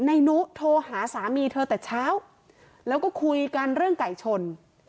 นายนุโทรหาสามีเธอแต่เช้าแล้วก็คุยกันเรื่องไก่ชน